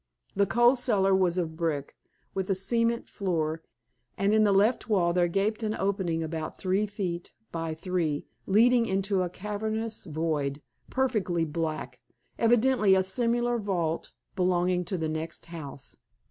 The coal cellar was of brick, with a cement floor, and in the left wall there gaped an opening about three feet by three, leading into a cavernous void, perfectly black evidently a similar vault belonging to the next house.